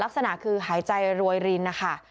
ลักษณะคือหายใจรวยรินนะคะ